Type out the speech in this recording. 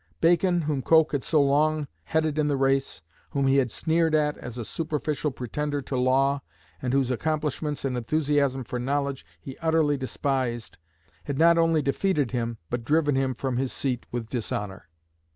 Bacon, whom Coke had so long headed in the race, whom he had sneered at as a superficial pretender to law, and whose accomplishments and enthusiasm for knowledge he utterly despised, had not only defeated him, but driven him from his seat with dishonour.